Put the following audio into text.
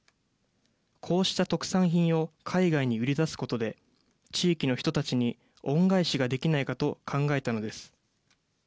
こうした特産品を海外に売り出すことで、地域の人たちに恩返しができないかと考えたのです。